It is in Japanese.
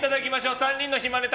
３人の暇ネタ